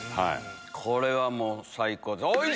これはもう最高ですおいし！